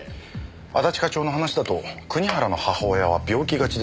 安達課長の話だと国原の母親は病気がちでした。